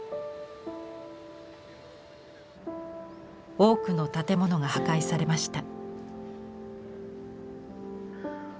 多くの建物が破壊されました。